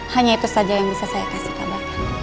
hanya itu saja yang bisa saya kasih kabar